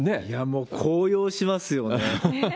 いや、もう高揚しますよね。